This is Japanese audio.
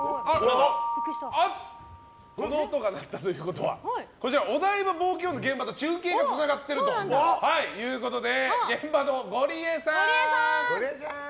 この音が鳴ったということはお台場冒険王の現場と中継がつながっているということで現場のゴリエさん！